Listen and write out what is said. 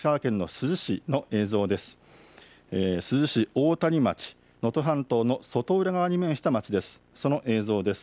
珠洲市大谷町、能登半島の外浦側に面した町です。